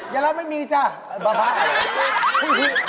อย่าละไม่มีจ้าบำพัก